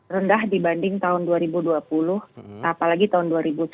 rendah dibanding tahun dua ribu dua puluh apalagi tahun dua ribu sembilan belas